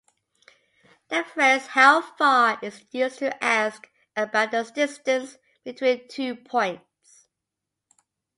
The phrase "How far" is used to ask about the distance between two points.